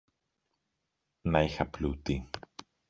Να είχα πλούτη!